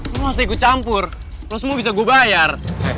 lo masih ikut campur lo semua bisa gue bayar